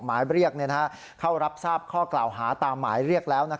หมายเรียกเข้ารับทราบข้อกล่าวหาตามหมายเรียกแล้ว